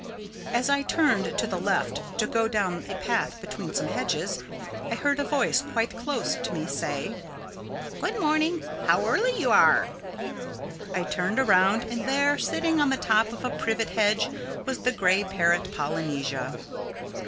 As I turned to the left to go down a path between some hedges, I heard a voice quite close to me say, "Good morning. How early you are!" I turned around, and there, sitting on the top of a privet hedge, was the gray parrot, Polynesia.